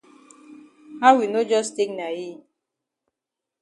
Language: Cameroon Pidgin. How we no jus take na yi?